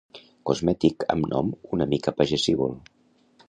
Cosmètic amb nom una mica pagesívol.